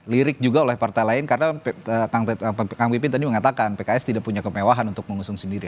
lirik juga oleh partai lain karena kang pipin tadi mengatakan pks tidak punya kemewahan untuk mengusung sendiri